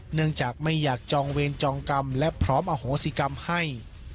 เนื่องจากไม่อยากจองเวรจองกรรมและพร้อมอโหสิกรรมให้